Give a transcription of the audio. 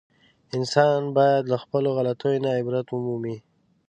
انسان باید له خپلو غلطیو نه عبرت و مومي.